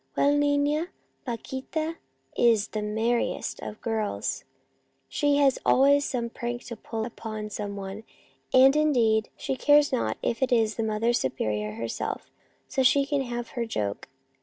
Well, nina, Paquita is the merriest of girls ! She has always some prank to play upon some one, and, indeed, she cares not if it is the Mother Superior herself, so she can have her joke.